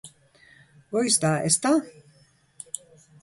Goiz da, ezta?